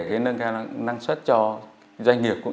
hay nâng cao năng suất cho doanh nghiệp cũng đúng